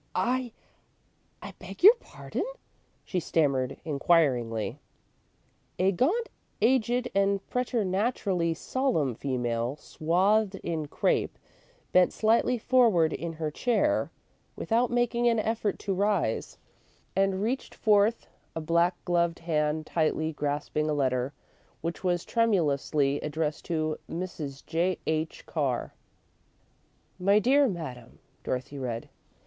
"I I beg your pardon?" she stammered, inquiringly. A gaunt, aged, and preternaturally solemn female, swathed in crape, bent slightly forward in her chair, without making an effort to rise, and reached forth a black gloved hand tightly grasping a letter, which was tremulously addressed to "Mrs. J. H. Carr." "My dear Madam," Dorothy read.